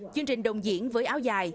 chương trình đồng diễn với áo dài